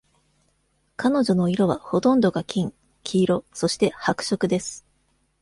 彼女の色はほとんどが金、黄色、そして白色です。